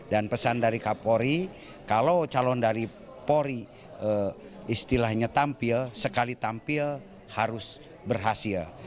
dan pesan dari kapolri kalau calon dari polri istilahnya tampil sekali tampil harus berhasil